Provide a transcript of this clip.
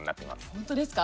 本当ですか？